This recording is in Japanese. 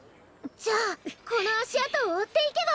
じゃあこのあしあとをおっていけば！